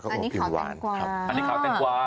อันนี้ค้าวแตงกวา